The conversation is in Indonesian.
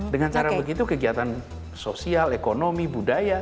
dengan cara begitu kegiatan sosial ekonomi budaya